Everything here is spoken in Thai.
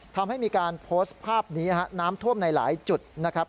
ทำให้มีการโพสต์ภาพนี้น้ำท่วมในหลายจุดนะครับ